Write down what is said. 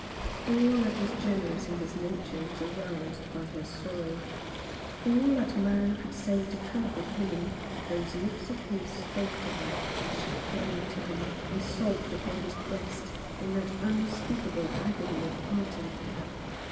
All that was generous in his nature was aroused by her sorrow. All that man could say to comfort woman those lips of his spoke to her, as she clung to him, and sobbed upon his breast, in that un speakable agony of parting.